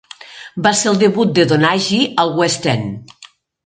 Va ser el debut de Donaghy al West End.